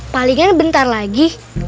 palingan bentar lagi